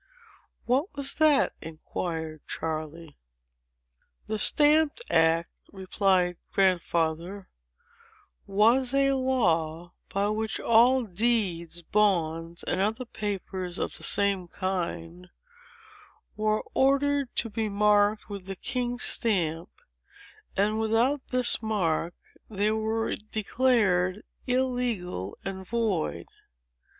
"What was that?" inquired Charley. "The Stamp Act," replied Grandfather, "was a law by which all deeds, bonds, and other papers of the same kind, were ordered to be marked with the king's stamp; and without this mark, they were declared illegal and void.